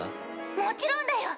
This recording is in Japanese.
もちろんだよ！